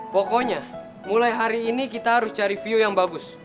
pokoknya mulai hari ini kita harus cari view yang bagus